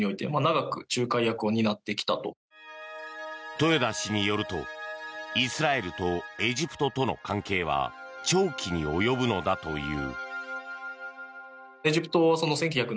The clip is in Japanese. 豊田氏によるとイスラエルとエジプトとの関係は長期に及ぶのだという。